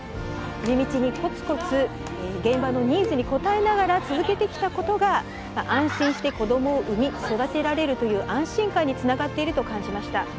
地道にコツコツ現場のニーズに応えながら続けてきたことが安心して子どもを産み育てられるという安心感につながっていると感じました。